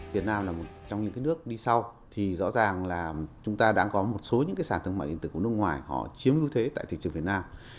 việt nam là một trong những nước đi sau thì rõ ràng là chúng ta đã có một số những cái sản thương mại điện tử của nước ngoài họ chiếm lưu thế tại thị trường việt nam